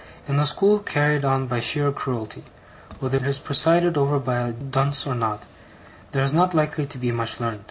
In a school carried on by sheer cruelty, whether it is presided over by a dunce or not, there is not likely to be much learnt.